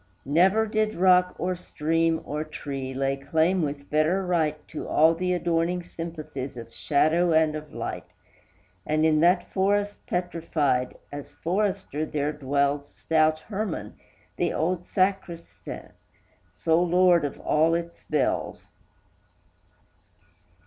Never did rock or stream or tree lay claim with better right To all the adorning sympathies of shadow and of light; And, in that forest petrified, as forester there dwells Stout Herman, the old sacristan, sole lord of all its bells.